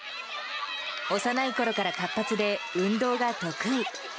幼いころから活発で、運動が得意。